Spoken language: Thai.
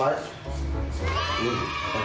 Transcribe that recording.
ไม่ร้องนะสองพันนะ